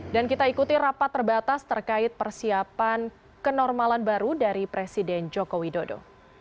dan kita ikuti rapat terbatas terkait persiapan kenormalan baru dari presiden joko widodo